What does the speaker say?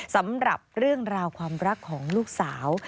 สำหรับเรื่องราวความรักของลูกสาว